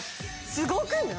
すごくない？